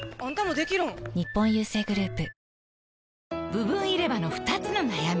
部分入れ歯の２つの悩み